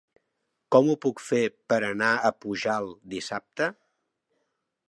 Com ho puc fer per anar a Pujalt dissabte?